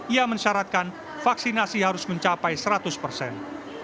ia mensyaratkan vaksinasi harus mencapai seratus persen